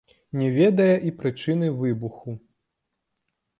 Не ведае і прычыны выбуху.